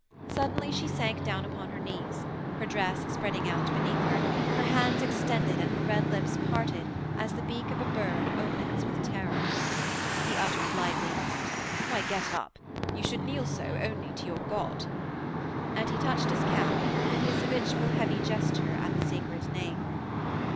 Suddenly she sank down upon her knees, her dress spreading out beneath her, her hands extended and her red lips parted as the beak of a bird opens with terror. He uttered lightly: 'Why, get up. You should kneel so only to your God,' and he touched his cap, with his habitual heavy gesture, at the sacred name.